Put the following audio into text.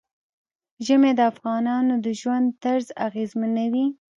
ژمی د افغانانو د ژوند طرز اغېزمنوي.